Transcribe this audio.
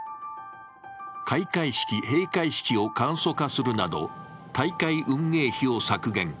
開会式、閉会式を簡素化するなど大会運営費を削減。